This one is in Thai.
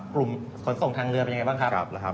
ขนส่งทางเรือเป็นยังไงบ้างครับ